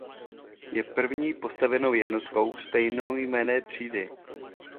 Je první postavenou jednotkou stejnojmenné třídy.